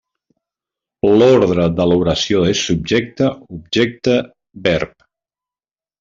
L'ordre de l'oració és Subjecte-Objecte-Verb.